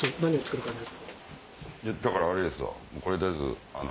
だからあれですわ。